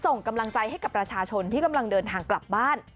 ส่งกำลังใจให้กับประชาชนที่กำลังเดินทางกลับบ้าน